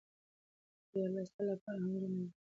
اې الله ! ستا لپاره حمدونه دي